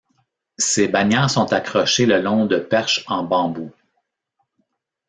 Ces bannières sont accrochées le long de perches en bambou.